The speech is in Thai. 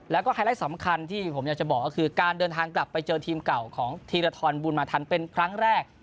แล้วก็ไฮไลท์สำคัญที่ผมอยากจะบอกก็คือการเดินทางกลับไปเจอทีมเก่าของธีรทรบุญมาทันเป็นครั้งแรก